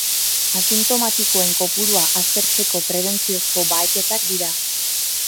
Asintomatikoen kopurua aztertzeko prebentziozko baheketak dira.